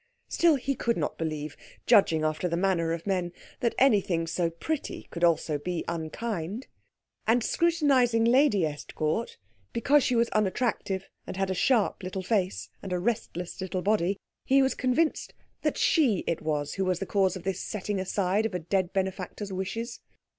Still he could not believe, judging after the manner of men, that anything so pretty could also be unkind; and scrutinising Lady Estcourt, because she was unattractive and had a sharp little face and a restless little body, he was convinced that she it was who was the cause of this setting aside of a dead benefactor's wishes.